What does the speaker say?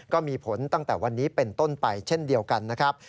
ก็มีผลตั้งแต่วันนี้เป็นต้นไปเช่นเดียวกันนะครับ